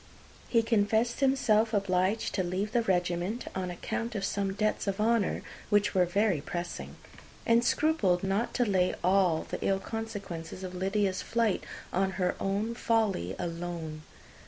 He confessed himself obliged to leave the regiment on account of some debts of honour which were very pressing; and scrupled not to lay all the ill consequences of Lydia's flight on her own folly alone.